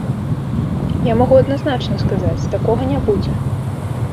Я магу адназначна сказаць, такога не будзе.